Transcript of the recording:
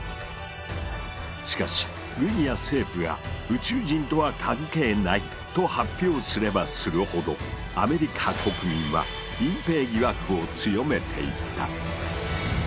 しかし軍や政府が「宇宙人とは関係ない」と発表すればするほどアメリカ国民は隠蔽疑惑を強めていった。